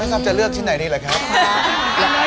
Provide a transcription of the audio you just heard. ครับจะเลือกที่ไหนนี่แหละครับ